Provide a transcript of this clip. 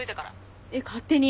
えっ勝手に？